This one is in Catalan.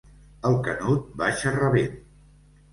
El Canut baixa rabent.